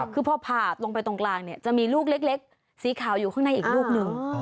คือพอผ่าลงไปตรงกลางเนี่ยจะมีลูกเล็กสีขาวอยู่ข้างในอีกลูกนึง